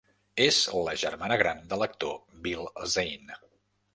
És la germana gran de l"actor Bill Zane.